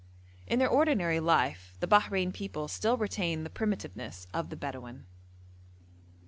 In their ordinary life the Bahrein people still retain the primitiveness of the Bedouin.